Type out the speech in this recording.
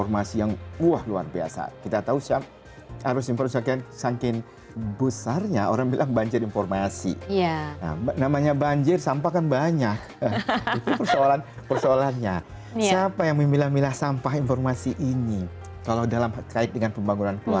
masyarakat kita tapi di indonesia